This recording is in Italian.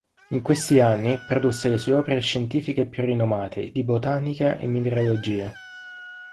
In questi anni produsse le sue opere scientifiche più rinomate di botanica e mineralogia.